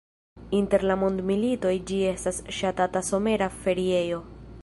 Inter la mondmilitoj ĝi estis ŝatata somera feriejo.